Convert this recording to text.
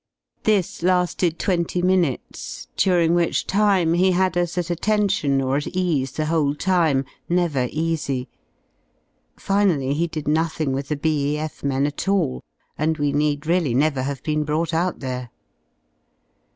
This la^ed twenty minutes, during which time he had us at attention or at ease the whole time, never easy. Finally he did nothing with the B.E.F, men at all, and we need really nQVQr have been brought out there.